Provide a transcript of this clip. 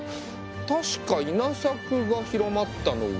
確か稲作が広まったのは。